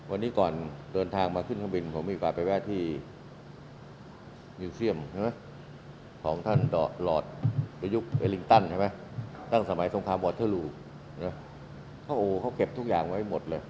วันนี้ก่อนเดินทางมาขึ้นข้างบินผมอีกกว่าไปแวะที่มิวเซียมของท่านหลอดหรือยุคเวลิงตันตั้งสมัยสงครามวอเธอรูเขาโอเขาเก็บทุกอย่างไว้หมดเลย